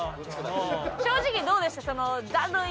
正直どうでした？